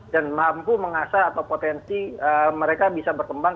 dan mampu mengasah atau potensi mereka bisa berkembang